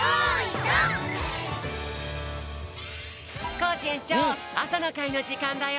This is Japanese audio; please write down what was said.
コージえんちょうあさのかいのじかんだよ。